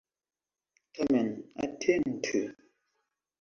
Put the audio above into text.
Tamen atentu!